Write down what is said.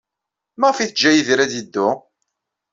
Maɣef ay teǧǧa Yidir ad yeddu?